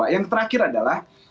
yang terakhir adalah